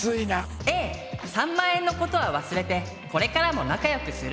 Ａ３万円のことは忘れてこれからも仲よくする。